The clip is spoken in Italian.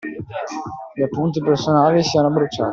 Gli appunti personali siano bruciati.